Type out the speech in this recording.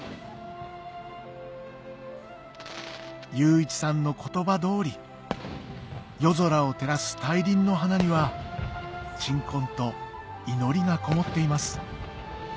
祐一さんの言葉通り夜空を照らす大輪の花には鎮魂と祈りがこもっています